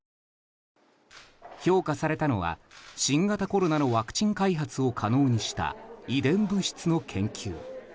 評価されたのは新型コロナのワクチン開発を可能にした遺伝物質の研究。